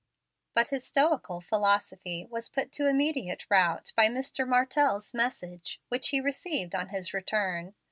But his stoical philosophy was put to immediate rout by Mr. Martell's message, which he received on his return.